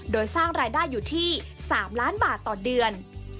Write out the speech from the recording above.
โดยสร้างรายได้อยู่ที่๓ล้านบาทต่อเดือน